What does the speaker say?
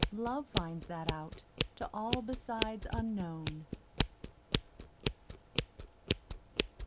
Love finds that out, to all besides unknown.